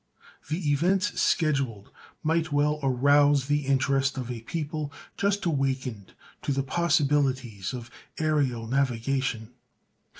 The events scheduled might well arouse the interest of a people just awakened to the possibilities of aërial navigation.